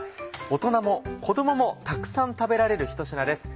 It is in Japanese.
大人も子供もたくさん食べられるひと品です。